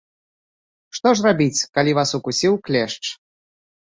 Што ж рабіць, калі вас укусіў клешч?